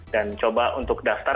dan coba untuk daftar